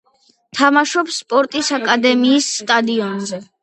თამაშობს „სპორტის აკადემიის“ სტადიონზე.